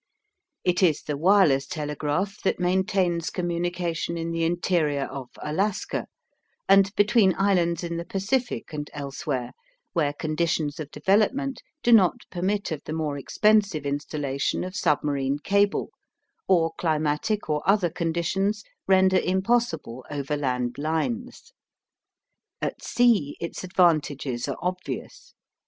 It is the wireless telegraph that maintains communication in the interior of Alaska and between islands in the Pacific and elsewhere where conditions of development do not permit of the more expensive installation of submarine cable or climatic or other conditions render impossible overland lines. At sea its advantages are obvious.